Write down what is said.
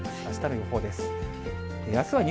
あしたの予報です。